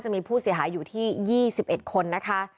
มีผู้เสียหายอยู่ที่๒๑คนนะคะ